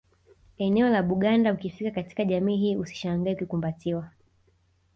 Eneo la Buganda ukifika katika jamii hii usishangae ukikumbatiwa